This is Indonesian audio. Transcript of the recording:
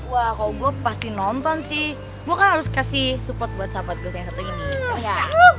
wah kalau gue pasti nonton sih gue kan harus kasih support buat sahabat gue yang satu ini ya